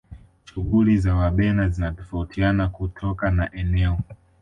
shughuli za wabena zinatofautiana kutoka na eneo